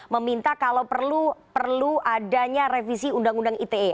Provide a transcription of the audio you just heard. meminta kalau perlu adanya revisi undang undang ite